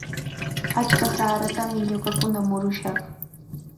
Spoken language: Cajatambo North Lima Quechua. Achka saratami ñuqakuna murushaq.